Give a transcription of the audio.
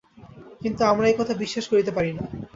কিন্তু আমরা এ-কথা বিশ্বাস করিতে পারি না।